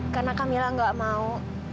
karena camilla tidak mau